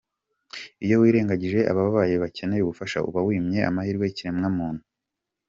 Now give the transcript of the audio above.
Iyo wirengagije ababaye bakeneye ubufasha, uba wimye amahirwe ikiremwa muntu.